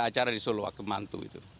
acara di solo waktu mantu itu